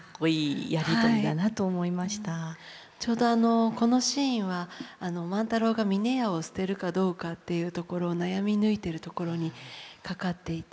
ちょうどこのシーンは万太郎が峰屋を捨てるかどうかっていうところを悩み抜いてるところにかかっていて。